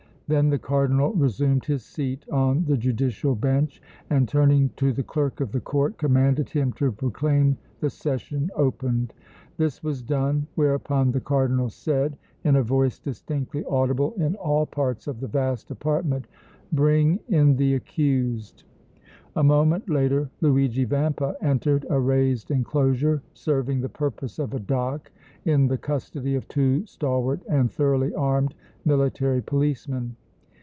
Then the Cardinal resumed his seat on the judicial bench, and, turning to the clerk of the Court, commanded him to proclaim the session opened. This was done, whereupon the Cardinal said, in a voice distinctly audible in all parts of the vast apartment: "Bring in the accused!" A moment later Luigi Vampa entered a raised enclosure serving the purpose of a dock in the custody of two stalwart and thoroughly armed military policemen.